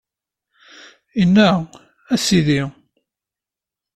Inna-a: A Sidi!